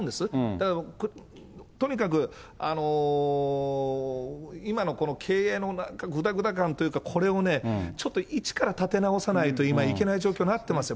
だけどとにかく、今のこの経営のなんかぐだぐだ感というか、これをね、ちょっと一から立て直さないと、今、いけない状況になってますよ。